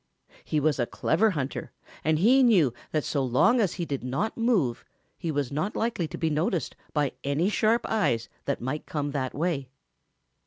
He was a clever hunter and he knew that so long as he did not move he was not likely to be noticed by any sharp eyes that might come that way.